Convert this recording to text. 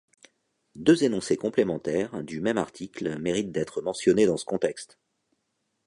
Deux énoncés complémentaires, du même article, méritent d'être mentionnés dans ce contexte.